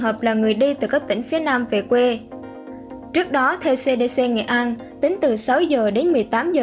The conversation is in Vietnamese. hợp là người đi từ các tỉnh phía nam về quê trước đó theo cdc nghệ an tính từ sáu h đến một mươi tám h